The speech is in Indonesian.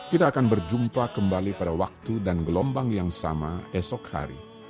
kita akan berjumpa kembali pada waktu dan gelombang yang sama esok hari